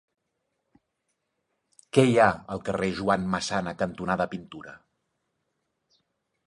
Què hi ha al carrer Joan Massana cantonada Pintura?